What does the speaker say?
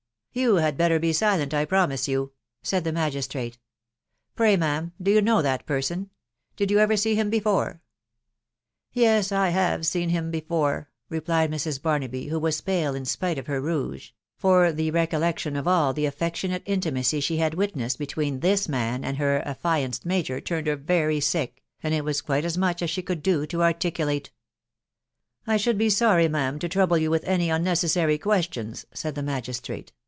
" You had better. be silent, I promise you," said the .magis trate. "Pray, ma'am, do you know that person? .... X>id •you ever see him before ?"" Yes, I have seen him before/' ^replied Mrs. 3arnaby, who was pale in spite of her rouge; for the recollection of all the affectionate intimacy she had witnessed between this ;man and her affianced major. turned her very sick, and it was quite & much as she could do to articulate. " I should be .sorry, ma'am, to trouble you with any un necessary questions,'* <said the magistrate.